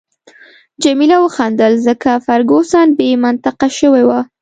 جميله وخندل، ځکه فرګوسن بې منطقه شوې وه.